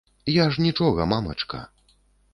Я ж нічога, мамачка.